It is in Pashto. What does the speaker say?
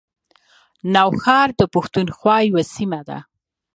نوښار د پښتونخوا یوه سیمه ده